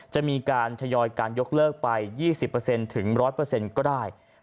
จะมีการทยอยการยกเลิกไป๒๐ถึง๑๐๐ก็ได้